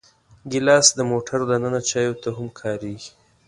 ګیلاس د موټر دننه چایو ته هم کارېږي.